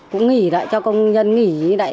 cũng nghỉ lại cho công nhân nghỉ như vậy